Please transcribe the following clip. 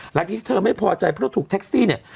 หลังจากที่เธอไม่พอใจเพราะถูกแท็กซี่เนี่ย